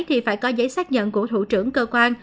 thì phải có giấy xác nhận của thủ trưởng cơ quan